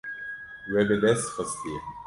We bi dest xistiye.